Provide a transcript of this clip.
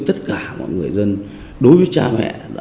tất cả mọi người dân đối với cha mẹ